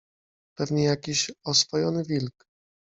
- Pewnie jakiś oswojony wilk.